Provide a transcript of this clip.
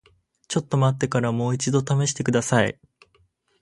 ちょっと待ってからもう一度試してください。